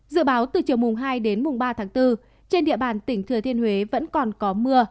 dự báo từ chiều hai ba bốn trên địa bàn tỉnh thừa thiên huế vẫn còn có mưa